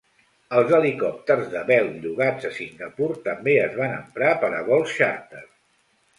Els helicòpters de Bell llogats a Singapur també es van emprar per a vols xàrter.